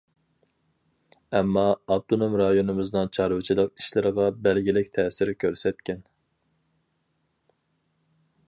ئەمما ئاپتونوم رايونىمىزنىڭ چارۋىچىلىق ئىشلىرىغا بەلگىلىك تەسىر كۆرسەتكەن.